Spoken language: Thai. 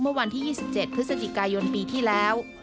เมื่อวันที่๒๗พฤศจิกายนปีที่แล้ว